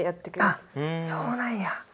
あっそうなんや。